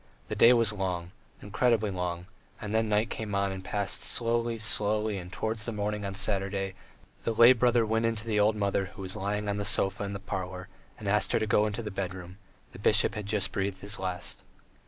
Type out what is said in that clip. The day was long, incredibly long, then the night came on and passed slowly, slowly, and towards morning on Saturday the lay brother went in to the old mother who was lying on the sofa in the parlour, and asked her to go into the bedroom: the bishop had just breathed his last.